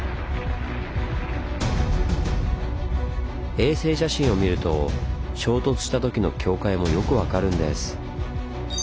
衛星写真を見ると衝突したときの境界もよく分かるんです。